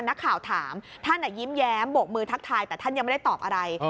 นักข่าวถามท่านยิ้มแย้มบกมือทักทายแต่ท่านยังไม่ได้ตอบอะไร